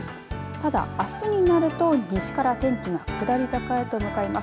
ただ、あすになると西から天気が下り坂へと向かいます。